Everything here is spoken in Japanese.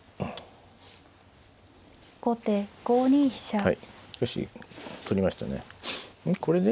はい。